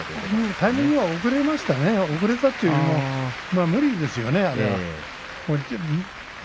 タイミングが遅れましたね。というよりも無理ですね。